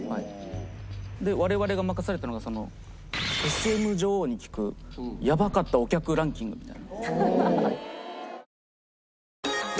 我々が任されたのがＳＭ女王に聞くやばかったお客ランキングみたいな。